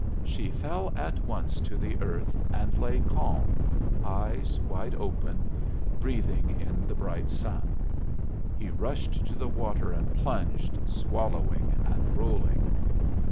She fell at once to the earth and lay calm, eyes wide open, breathing in the bright sun. He rushed to the water and plunged, swallowing and rolling.